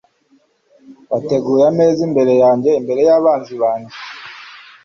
wateguye ameza imbere yanjye imbere y'abanzi banjye